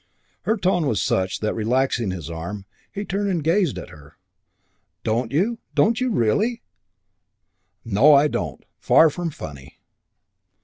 Her tone was such that, relaxing his arm, he turned and gazed at her. "Don't you? Don't you really?" "No, I don't. Far from funny."